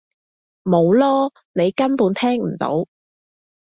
冇囉！你根本聽唔到！